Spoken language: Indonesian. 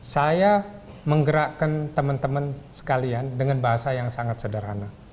saya menggerakkan teman teman sekalian dengan bahasa yang sangat sederhana